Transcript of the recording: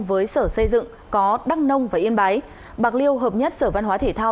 với sở xây dựng có đăng nông và yên bái bạc liêu hợp nhất sở văn hóa thể thao